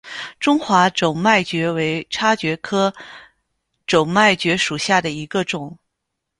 中华轴脉蕨为叉蕨科轴脉蕨属下的一个种。